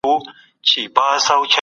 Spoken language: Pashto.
تخنیک د تولید د پراختیا لپاره مهم دی.